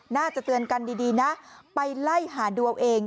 น่าจะเตือนกันดีนะไปไล่หาดูเอาเอง